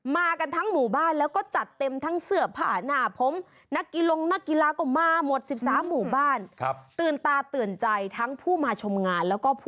มากันทั้งหมู่บ้านและจัดเต็มั้งเสือบผ้า